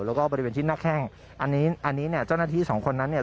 แล้วก็บริเวณที่หน้าแข้งอันนี้อันนี้เนี่ยเจ้าหน้าที่สองคนนั้นเนี่ย